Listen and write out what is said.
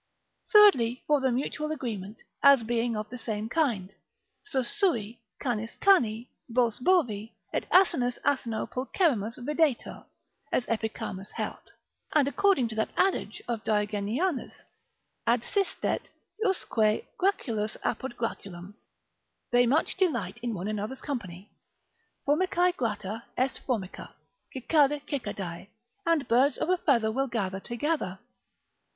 Thirdly, for the mutual agreement, as being of the same kind: Sus sui, canis cani, bos bovi, et asinus asino pulcherrimus videtur, as Epicharmus held, and according to that adage of Diogenianus, Adsidet usque graculus apud graculum, they much delight in one another's company, Formicae grata est formica, cicada cicadae, and birds of a feather will gather together.